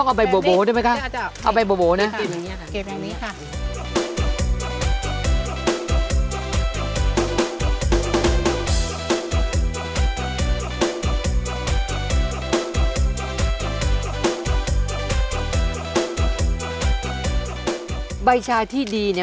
อันนี้ทำนัศาสตร์มันเต็มอ่ะซากตรงสอดเฉย